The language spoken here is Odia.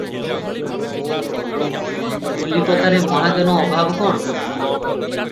କଲିକତାରେ ମହାଜନ ଅଭାବ କଣ?